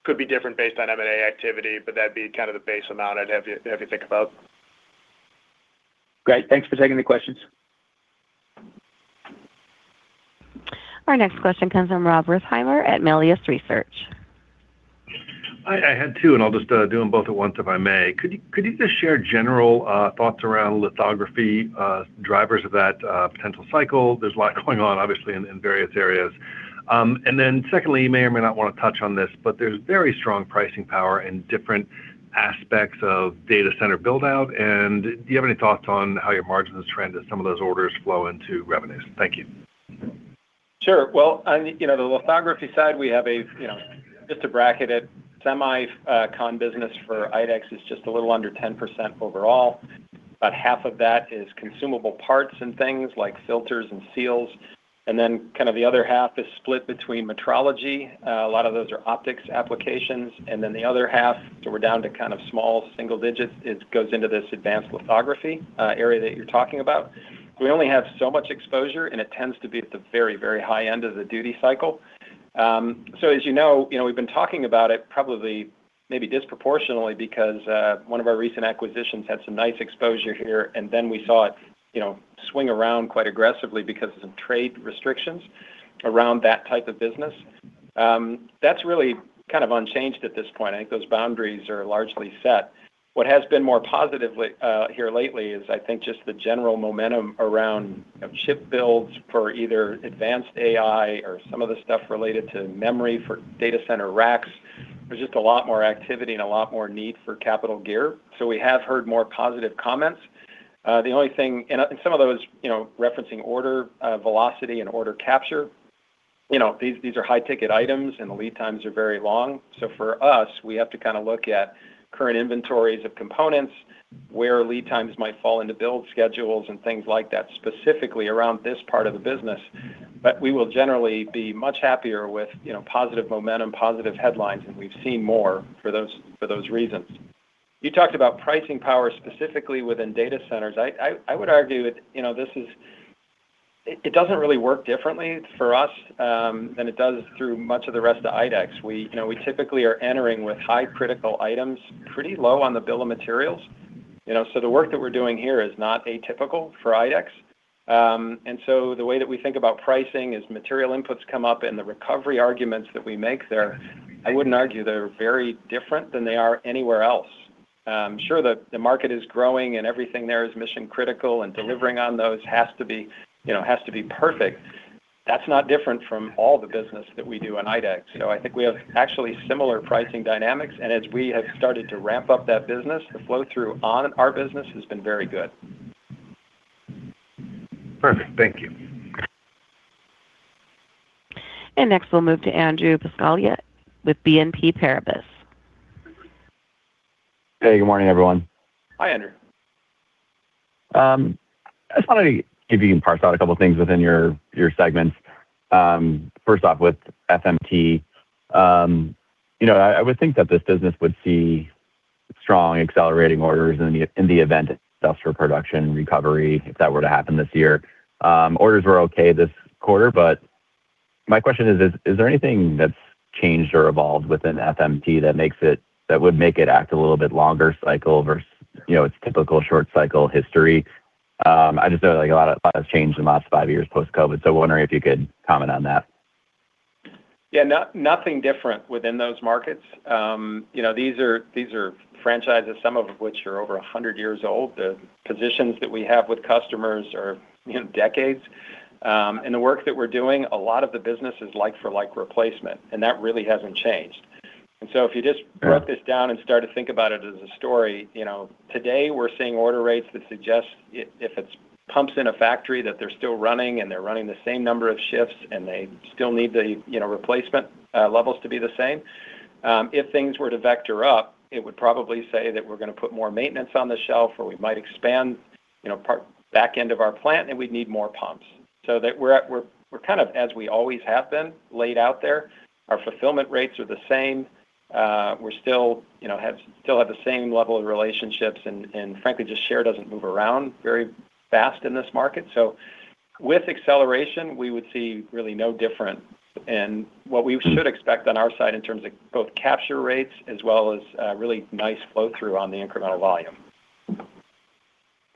It could be different based on M&A activity, but that'd be kind of the base amount I'd have you think about. Great. Thanks for taking the questions. Our next question comes from Rob Wertheimer at Melius Research. Hi. I had two, and I'll just do them both at once if I may. Could you just share general thoughts around lithography, drivers of that potential cycle? There's a lot going on, obviously, in various areas. And then secondly, you may or may not want to touch on this, but there's very strong pricing power in different aspects of data center buildout. And do you have any thoughts on how your margins trend as some of those orders flow into revenues? Thank you. Sure. Well, on the lithography side, we have, just to bracket it, a semicon business for IDEX is just a little under 10% overall. About half of that is consumable parts and things like filters and seals. And then kind of the other half is split between metrology. A lot of those are optics applications. And then the other half, so we're down to kind of small single digits, goes into this advanced lithography area that you're talking about. We only have so much exposure, and it tends to be at the very, very high end of the duty cycle. So as you know, we've been talking about it probably maybe disproportionately because one of our recent acquisitions had some nice exposure here, and then we saw it swing around quite aggressively because of some trade restrictions around that type of business. That's really kind of unchanged at this point. I think those boundaries are largely set. What has been more positive here lately is, I think, just the general momentum around chip builds for either advanced AI or some of the stuff related to memory for data center racks. There's just a lot more activity and a lot more need for capital gear. So we have heard more positive comments. The only thing and some of those referencing order velocity and order capture, these are high-ticket items, and the lead times are very long. So for us, we have to kind of look at current inventories of components, where lead times might fall into build schedules, and things like that specifically around this part of the business. But we will generally be much happier with positive momentum, positive headlines, and we've seen more for those reasons. You talked about pricing power specifically within data centers. I would argue that this, it doesn't really work differently for us than it does through much of the rest of IDEX. We typically are entering with high-critical items, pretty low on the bill of materials. So the work that we're doing here is not atypical for IDEX. And so the way that we think about pricing is material inputs come up, and the recovery arguments that we make there. I wouldn't argue they're very different than they are anywhere else. Sure, the market is growing, and everything there is mission-critical, and delivering on those has to be perfect. That's not different from all the business that we do in IDEX. So I think we have actually similar pricing dynamics. And as we have started to ramp up that business, the flow-through on our business has been very good. Perfect. Thank you. Next, we'll move to Andrew Buscaglia with BNP Paribas. Hey. Good morning, everyone. Hi, Andrew. I just wanted to give you an update on a couple of things within your segments. First off, with FMT, I would think that this business would see strong accelerating orders in the event it starts for production recovery, if that were to happen this year. Orders were okay this quarter, but my question is, is there anything that's changed or evolved within FMT that would make it act a little bit longer cycle versus its typical short-cycle history? I just know a lot has changed in the last five years post-COVID. So wondering if you could comment on that. Yeah. Nothing different within those markets. These are franchises, some of which are over 100 years old. The positions that we have with customers are decades. In the work that we're doing, a lot of the business is like-for-like replacement, and that really hasn't changed. And so if you just broke this down and started to think about it as a story, today, we're seeing order rates that suggest if it pumps in a factory that they're still running, and they're running the same number of shifts, and they still need the replacement levels to be the same. If things were to vector up, it would probably say that we're going to put more maintenance on the shelf, or we might expand back end of our plant, and we'd need more pumps. So we're kind of, as we always have been, laid out there. Our fulfillment rates are the same. We still have the same level of relationships. Frankly, just share doesn't move around very fast in this market. With acceleration, we would see really no different. What we should expect on our side in terms of both capture rates as well as really nice flow-through on the incremental volume.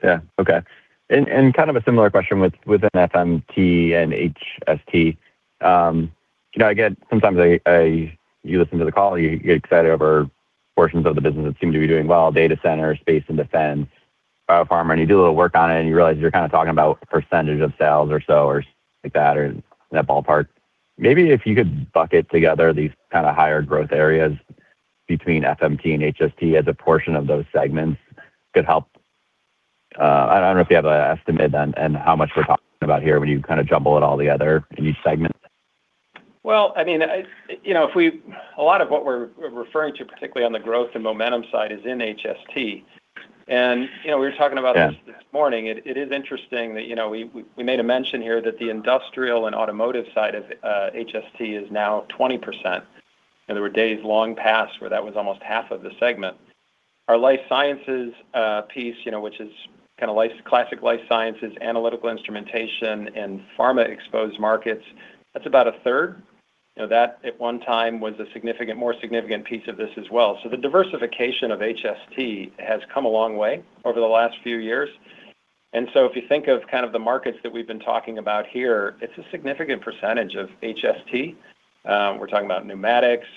Yeah. Okay. And kind of a similar question within FMT and HST. Again, sometimes you listen to the call, you get excited over portions of the business that seem to be doing well, data center, space and defense, biopharma. And you do a little work on it, and you realize you're kind of talking about a percentage of sales or so or something like that or in that ballpark. Maybe if you could bucket together these kind of higher growth areas between FMT and HST as a portion of those segments, could help. I don't know if you have an estimate on how much we're talking about here when you kind of jumble it all together in each segment. Well, I mean, if we a lot of what we're referring to, particularly on the growth and momentum side, is in HST. And we were talking about this this morning. It is interesting that we made a mention here that the industrial and automotive side of HST is now 20%. There were days long past where that was almost half of the segment. Our Life Sciences piece, which is kind of classic Life Sciences, analytical instrumentation, and pharma-exposed markets, that's about a third. That, at one time, was a more significant piece of this as well. So the diversification of HST has come a long way over the last few years. And so if you think of kind of the markets that we've been talking about here, it's a significant percentage of HST. We're talking about pneumatics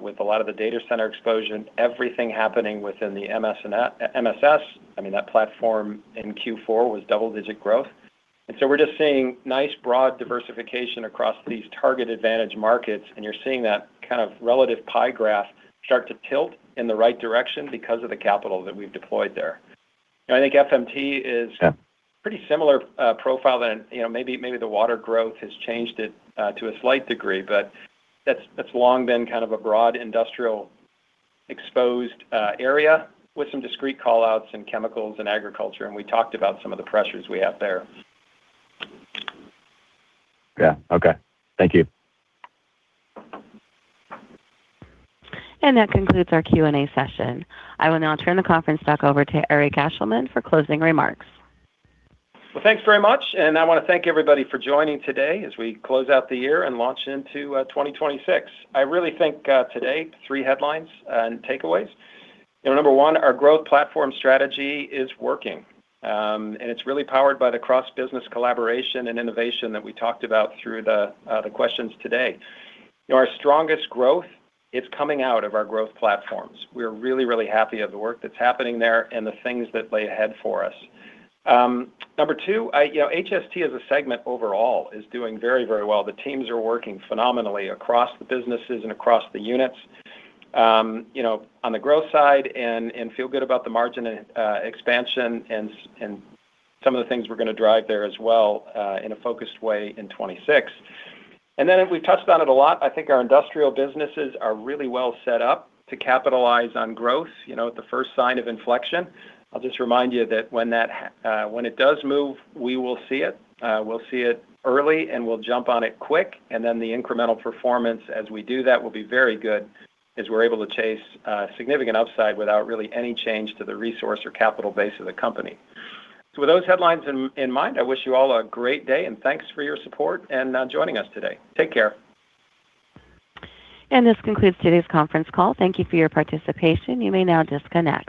with a lot of the data center exposure, everything happening within the MSS. I mean, that platform in Q4 was double-digit growth. And so we're just seeing nice, broad diversification across these target-advantage markets. And you're seeing that kind of relative pie graph start to tilt in the right direction because of the capital that we've deployed there. I think FMT is a pretty similar profile than maybe the water growth has changed it to a slight degree. But that's long been kind of a broad industrial-exposed area with some discrete callouts in chemicals and agriculture. And we talked about some of the pressures we have there. Yeah. Okay. Thank you. That concludes our Q&A session. I will now turn the conference back over to Eric Ashleman for closing remarks. Well, thanks very much. And I want to thank everybody for joining today as we close out the year and launch into 2026. I really think today, 3 headlines and takeaways. Number one, our growth platform strategy is working, and it's really powered by the cross-business collaboration and innovation that we talked about through the questions today. Our strongest growth, it's coming out of our growth platforms. We're really, really happy of the work that's happening there and the things that lay ahead for us. Number two, HST as a segment overall is doing very, very well. The teams are working phenomenally across the businesses and across the units on the growth side and feel good about the margin expansion and some of the things we're going to drive there as well in a focused way in 2026. And then we've touched on it a lot. I think our industrial businesses are really well set up to capitalize on growth at the first sign of inflection. I'll just remind you that when it does move, we will see it. We'll see it early, and we'll jump on it quick. And then the incremental performance as we do that will be very good as we're able to chase significant upside without really any change to the resource or capital base of the company. So with those headlines in mind, I wish you all a great day, and thanks for your support and joining us today. Take care. This concludes today's conference call. Thank you for your participation. You may now disconnect.